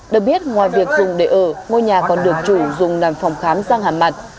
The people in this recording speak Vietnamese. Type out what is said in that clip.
được biết ngoài việc dùng để ở ngôi nhà còn được chủ dùng làm phòng khám sang hàm mặt